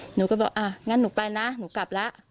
หนูก็บอกอ่ะงั้นหนูไปนะหนูกลับแล้ว